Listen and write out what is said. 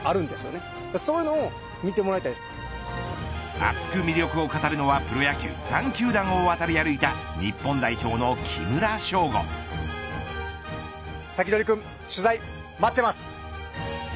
熱く魅力を語るのはプロ野球３球団を渡り歩いたサキドリくん取材待ってます。